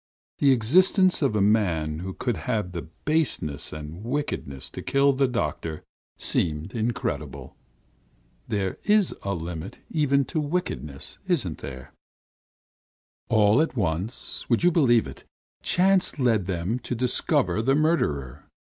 The existence of a man who could have the baseness and wickedness to kill the doctor seemed incredible. There is a limit even to wickedness, isn't there? "All at once, would you believe it, chance led them to discovering the murderer.